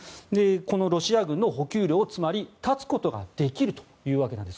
このロシア軍の補給路をつまり、断つことができるというわけなんです